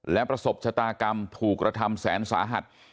และประสบชะตากรรมถูกกระทำแสนสาหัส